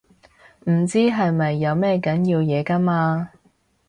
唔知係咪有咩緊要嘢㗎嘛